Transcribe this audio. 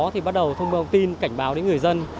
thì bắt đầu thông báo tin cảnh báo đến người dân